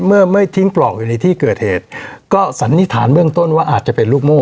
เมื่อไม่ทิ้งปลอกอยู่ในที่เกิดเหตุก็สันนิษฐานเบื้องต้นว่าอาจจะเป็นลูกโม่